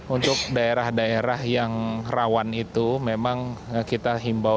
untuk daerah daerah yang rawan itu memang kita himbau terutama yang tinggal di wilayah